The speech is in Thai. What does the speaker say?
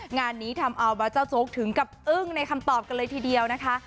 งานนี้ทำเอาบะเจ้าโจ๊กถึงกับอึ้งในคำตอบกันเลยทีเดียวนะคะ